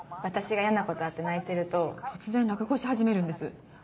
私が嫌なことあって泣いてると突然落語し始めるんです。